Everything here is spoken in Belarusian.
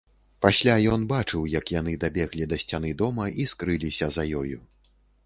Пасля ён бачыў, як яны дабеглі да сцяны дома і скрыліся за ёю.